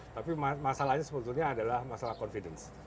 tapi masalahnya sebetulnya adalah masalah confidence